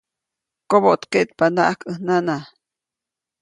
Koboʼtkeʼtpanaʼajk ʼäj nana.